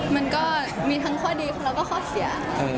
มันก็มีทั้งข้อดีแล้วก็ข้อเสีย